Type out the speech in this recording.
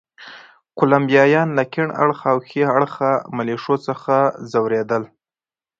کولمبیایان له کیڼ اړخه او ښي اړخه ملېشو څخه ځورېدل.